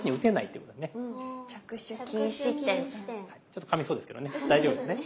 ちょっとかみそうですけどね大丈夫ですね。